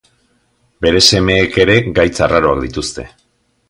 Bere semeek ere gaitz arraroak dituzte.